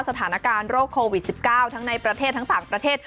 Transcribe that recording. สถานการณ์โรคโควิด๑๙ทั้งในประเทศทั้งต่างประเทศ